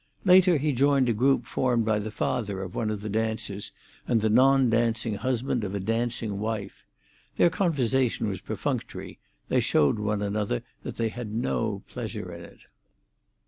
Later he joined a group formed by the father of one of the dancers and the non dancing husband of a dancing wife. Their conversation was perfunctory; they showed one another that they had no pleasure in it.